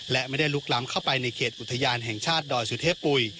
และไม่ได้ลุกล้ำเข้าไปในเขตอุทยานแห่งชาติดอยสุเทพปุ๋ย